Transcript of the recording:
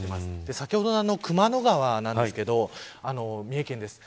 先ほど熊野川なんですけど三重県です。